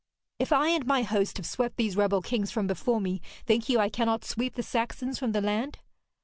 'If I and my host have swept these rebel kings from before me, think you I cannot sweep the Saxons from the land?'